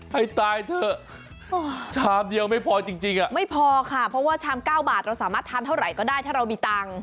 ให้ตายเถอะชามเดียวไม่พอจริงอ่ะไม่พอค่ะเพราะว่าชาม๙บาทเราสามารถทานเท่าไหร่ก็ได้ถ้าเรามีตังค์